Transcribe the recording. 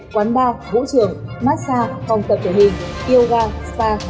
quán bar vũ trường massage phòng tập thể hình yoga spa